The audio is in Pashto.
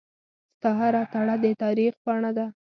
ستا هره تړه دتاریخ پاڼه ده